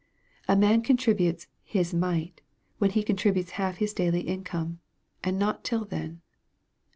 A man contributes "his mite" when he contributes half his tlaily income, and not till then.